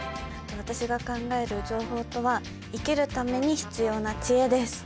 私が考える情報とは「生きるために必要な知恵」です。